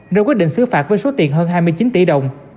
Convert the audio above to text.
rồi quyết định xứ phạt với số tiền hơn hai mươi chín tỷ đồng